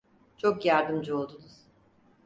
Çok yardımcı oldunuz.